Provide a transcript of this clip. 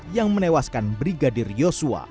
yang menewaskan brigadir yosua